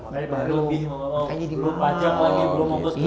belum pacar lagi belum mau kesukuran lagi